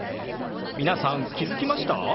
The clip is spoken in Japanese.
皆さん気付きました？